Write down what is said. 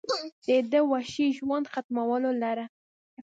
د دې وحشي ژوند ختمولو لره